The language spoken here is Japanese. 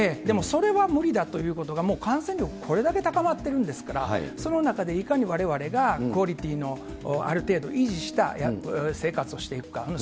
でもそれは無理だということが、もう感染力、これだけ高まってるんですから、その中でいかにわれわれがクオリティーのある程度維持した生活をしていくか。